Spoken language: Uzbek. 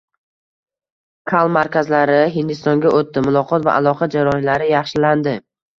“Call markaz”lari Hindistonga oʻtdi, muloqot va aloqa jarayonlari yaxshilandi.